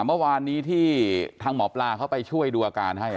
เมื่อวานนี้ที่ทางหมอปลาเข้าไปช่วยดูอาการให้